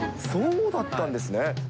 そうだったんですね。